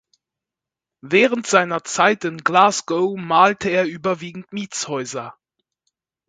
Während seiner Zeit in Glasgow malte er überwiegend Mietshäuser.